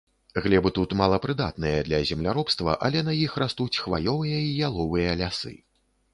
Глебы тут малапрыдатныя для земляробства, але на іх растуць хваёвыя і яловыя лясы.